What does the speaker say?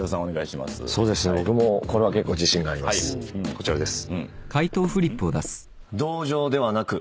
こちらです。